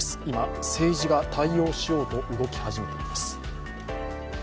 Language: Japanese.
今、政治が対応しようと動き始めています。